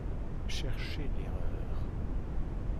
Cherchez l'erreur...